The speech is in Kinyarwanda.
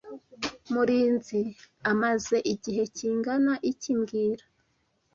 Murinzi amaze igihe kingana iki mbwira